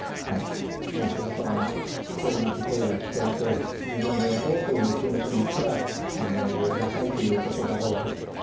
そこから声なき声が聞こえて自分でやろうという気持ちになったらやりなさいということだろうと。